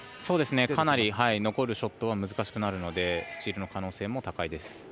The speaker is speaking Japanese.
かなり残るショットは難しくなるのでスチールの可能性も高いです。